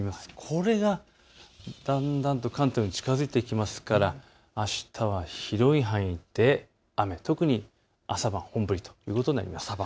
これがだんだんと関東に近づきますからあしたは広い範囲で雨、特に朝晩、本降りとなります。